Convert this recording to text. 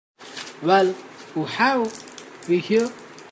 Well who have we here?